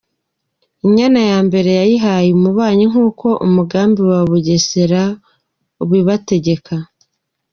Inyana ya mbere yayihaye umubanyi nkuko umugambi wa Bugesera ubibategeka.